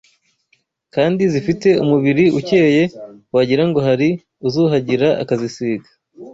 kandi zifite umubiri ukeye wagira ngo hari uzuhagira akazisiga